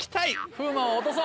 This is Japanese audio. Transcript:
風磨を落とそう。